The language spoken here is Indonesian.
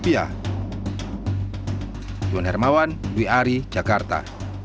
yon hermawan wiari jakarta